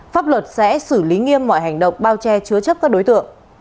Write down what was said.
pháp luật sẽ xử lý nghiêm mọi hành động bao che chứa chấp các đối tượng